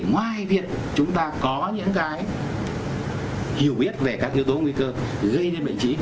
ngoài việc chúng ta có những cái hiểu biết về các yếu tố nguy cơ gây nên bệnh